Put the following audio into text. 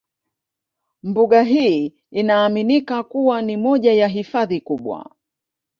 Mbuga hii inaaminika kuwa ni moja ya hifadhi kubwa